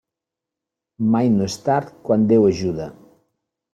Mai no és tard quan Déu ajuda.